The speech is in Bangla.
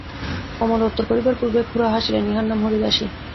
কমলা উত্তর করিবার পূর্বেই খুড়া কহিলেন, ইঁহার নাম হরিদাসী।